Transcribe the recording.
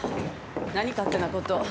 何勝手なことを。